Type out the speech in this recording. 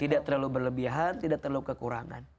tidak terlalu berlebihan tidak terlalu kekurangan